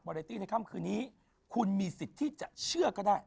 เรตี้ในค่ำคืนนี้คุณมีสิทธิ์ที่จะเชื่อก็ได้